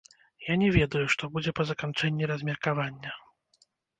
Я не ведаю, што будзе па заканчэнні размеркавання.